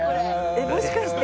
えっもしかして。